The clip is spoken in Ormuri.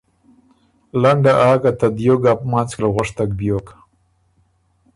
لنډه آ که ته دیو ګپ منځ کی ل غؤشتک بیوک